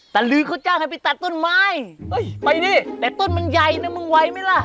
ลือเขาจ้างให้ไปตัดต้นไม้ไปดิแต่ต้นมันใหญ่นะมึงไวไหมล่ะ